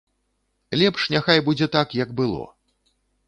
Лепш няхай будзе так, як было.